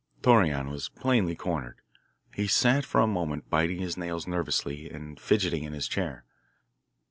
Torreon was plainly cornered. He sat for a moment biting his nails nervously and fidgeting in his chair.